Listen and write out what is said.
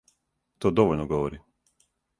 То довољно говори.